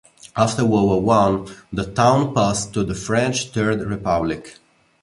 After World War One, the town passed to the French Third Republic.